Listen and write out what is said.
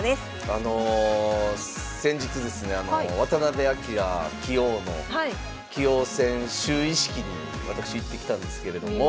あの先日ですね渡辺明棋王の棋王戦就位式に私行ってきたんですけれども。